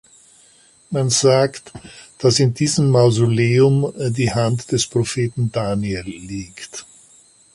Man sagt, dass in diesem Mausoleum die Hand des Propheten Daniel liegt.